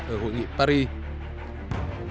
ở hội nghị paris